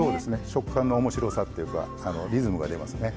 食感のおもしろさっていうかリズムが出ますね。